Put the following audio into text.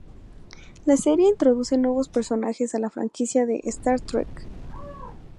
La serie introduce nuevos personajes a la franquicia de "Star Trek".